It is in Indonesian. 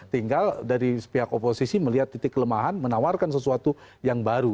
tinggal dari pihak oposisi melihat titik kelemahan menawarkan sesuatu yang baru